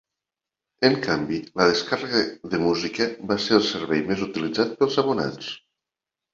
En canvi, la descàrrega de música va ser el servei més utilitzat pels abonats.